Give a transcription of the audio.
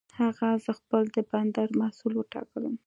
هغه زه خپل د بندر مسؤل وټاکلم.